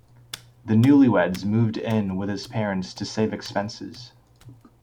The newly-weds moved in with his parents to save expenses.